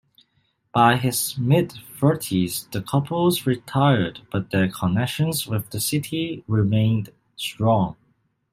By his mid-thirties the couple retired but their connections with the city remained strong.